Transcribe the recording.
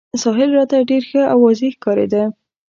ساحل راته ډېر ښه او واضح ښکارېده.